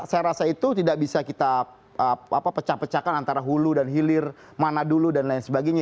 saya rasa itu tidak bisa kita pecah pecahkan antara hulu dan hilir mana dulu dan lain sebagainya